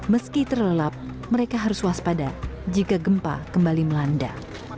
meski terlelap mereka harus waspada jika gempa kembali melanda